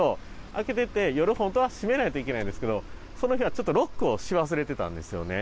開けてて夜、本当は閉めないといけないんですけど、その日は、ちょっとロックをし忘れてたんですよね。